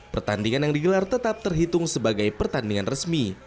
pertandingan yang digelar tetap terhitung sebagai pertandingan resmi